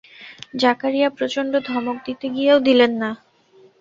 জাকারিয়া প্রচণ্ড ধমক দিতে গিয়েও দিলেন না।